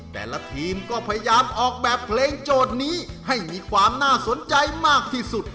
แต่ละทีมก็พยายามออกแบบเพลงโจทย์นี้ให้มีความน่าสนใจมากที่สุด